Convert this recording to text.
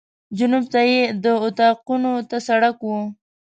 جنوب ته یې د اطاقونو ته سړک و.